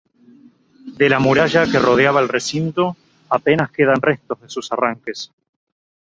De la muralla que rodeaba el recinto apenas quedan restos de sus arranques.